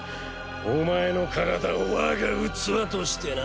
お前の体を我が器としてな！